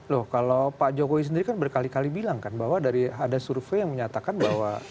loh kalau pak jokowi sendiri kan berkali kali bilang kan bahwa dari ada survei yang menyatakan bahwa